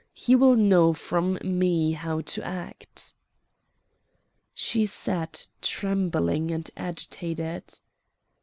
He will know from me how to act." She sat trembling and agitated.